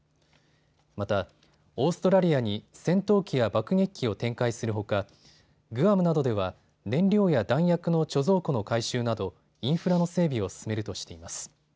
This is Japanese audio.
また、オーストラリアに戦闘機や爆撃機を展開するほかグアムなどでは燃料や弾薬の貯蔵庫の改修などインフラの整備を進めるとしています。